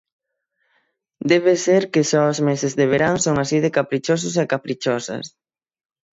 Debe ser que só os meses de verán son así de caprichosos e caprichosas.